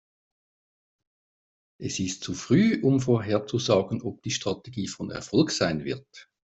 Es ist zu früh, um vorherzusagen, ob die Strategie von Erfolg sein wird.